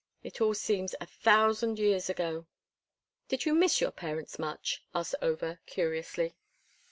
It all seems a thousand years ago." "Did you miss your parents much?" asked Over, curiously.